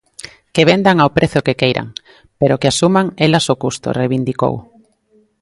"Que vendan ao prezo que queiran, pero que asuman elas o custo", reivindicou.